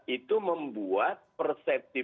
itu membuat persepsi